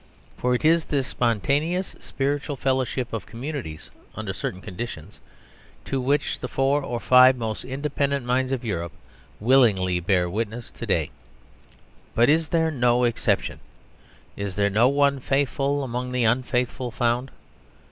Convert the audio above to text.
For it is this spontaneous spiritual fellowship of communities under certain conditions to which the four or five most independent minds of Europe willingly bear witness to day. But is there no exception: is there no one faithful among the unfaithful found?